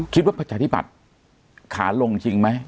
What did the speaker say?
ประชาธิบัติขาลงจริงไหม